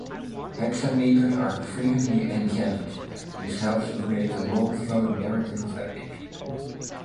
Hexameters are frequently enjambed, which helps to create the long, flowing narrative of epic.